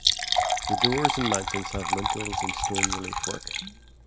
The doors in mansions have lintels in stone relief work.